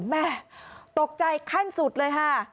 แม่ตกใจขั้นสุดเลยค่ะ